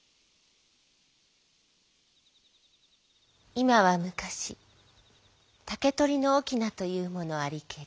「今は昔竹取の翁といふものありけり。